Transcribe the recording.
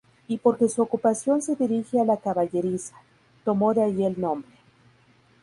Y porque su ocupación se dirige a la caballeriza, tomó de allí el nombre.